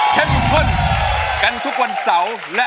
เข้มข้นกันทุกวันเสาร์